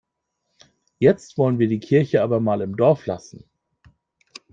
Jetzt wollen wir die Kirche aber mal im Dorf lassen.